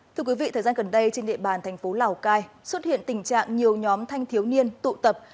thưa quý vị thời gian gần đây trên địa bàn thành phố lào cai xuất hiện tình trạng nhiều nhóm thanh thiếu niên tụ tập